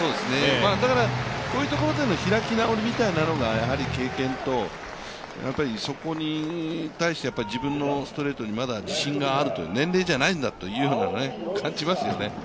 だからこういうところでの開き直りみたいなものが経験と、そこに対して自分のストレートにまだ自信があるという年齢じゃないんだというのが感じますよね。